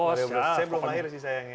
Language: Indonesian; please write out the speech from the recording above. oh saya belum lahir sih sayangnya